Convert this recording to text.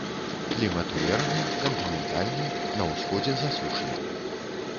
Клімат умераны, кантынентальны, на ўсходзе засушлівы.